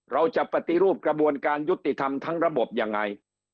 เราจะปฏิรูปกระบวนการยุติธรรมทั้งระบบยังไง